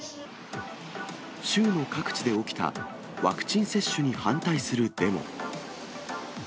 州の各地で起きたワクチン接種に反対するデモ。